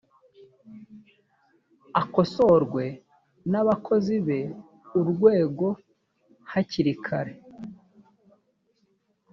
akosorwe n abakozi b urwego hakiri kare